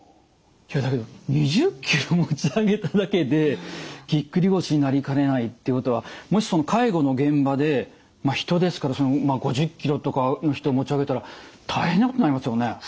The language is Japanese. だけど２０ｋｇ持ち上げただけでぎっくり腰になりかねないっていうことはもし介護の現場で人ですから５０ｋｇとかの人持ち上げたら大変なことになりますよね。